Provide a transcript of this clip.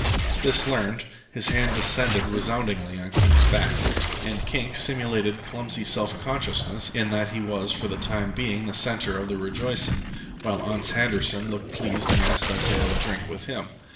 This learned, his hand descended resoundingly on Kink's back, and Kink simulated clumsy self consciousness in that he was for the time being the centre of the rejoicing, while Ans Handerson looked pleased and asked them to have a drink with him.